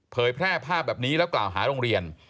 แพร่ภาพแบบนี้แล้วกล่าวหาโรงเรียน